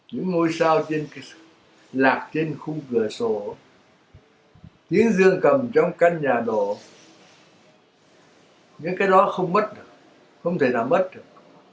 những ngôi sao lạc trên khu cửa sổ những giương cầm trong căn nhà đổ những cái đó không mất được không thể nào mất được